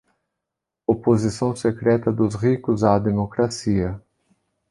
Oposição secreta dos ricos à democracia.